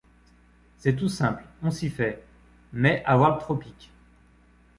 C'est tout simple, on s'y fait ; mais avoir le tropique